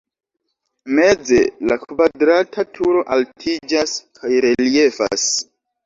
Meze la kvadrata turo altiĝas kaj reliefas.